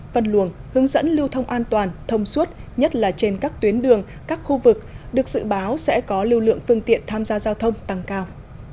văn luồng hướng dẫn lưu thông an toàn thông suốt nhất là trên các tuyến đường các khu vực được dự báo sẽ có lưu lượng phương tiện tham gia giao thông tăng cao